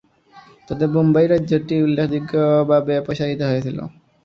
তবে বোম্বাই রাজ্যটি উল্লেখযোগ্যভাবে প্রসারিত হয়েছিল।